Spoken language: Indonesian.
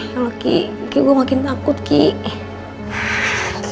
ya allah gigi gigi gue makin takut gigi